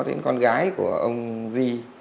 đến con gái của ông di